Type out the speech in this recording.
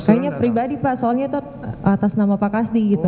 kayaknya pribadi pak soalnya itu atas nama pak kasdi gitu